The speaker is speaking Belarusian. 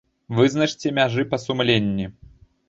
Вызначце мяжы па сумленні!